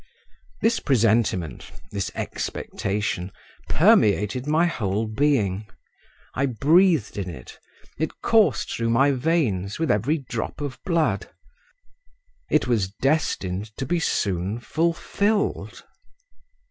This presentiment, this expectation, permeated my whole being; I breathed in it, it coursed through my veins with every drop of blood … it was destined to be soon fulfilled.